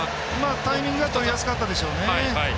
タイミングはとりやすかったでしょうね。